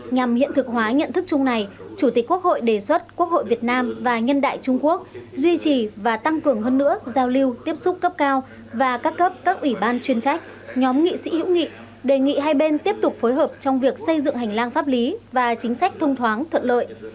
nhằm hiện thực hóa nhận thức chung này chủ tịch quốc hội đề xuất quốc hội việt nam và nhân đại trung quốc duy trì và tăng cường hơn nữa giao lưu tiếp xúc cấp cao và các cấp các ủy ban chuyên trách nhóm nghị sĩ hữu nghị đề nghị hai bên tiếp tục phối hợp trong việc xây dựng hành lang pháp lý và chính sách thông thoáng thuận lợi